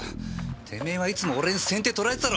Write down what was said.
てめえはいつも俺に先手取られてたろ。